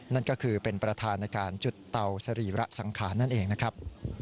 นั่นก็คือเป็นประธานในการจุดเตาสรีระสังขารนั่นเองนะครับ